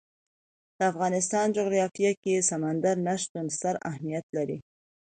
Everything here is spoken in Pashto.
د افغانستان جغرافیه کې سمندر نه شتون ستر اهمیت لري.